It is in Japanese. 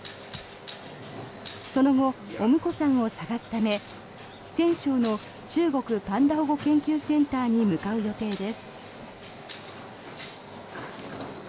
その後、お婿さんを探すため四川省の中国パンダ保護研究センターに向かう予定です。